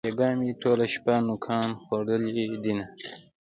بېگاه مې ټوله شپه نوکان خوړلې دينه